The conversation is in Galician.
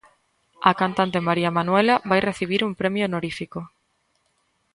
A cantante María Manuela vai recibir un premio honorífico.